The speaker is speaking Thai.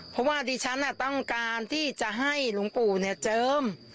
เพราะว่าดิฉันต้องการที่จะให้หลวงปู่เจิม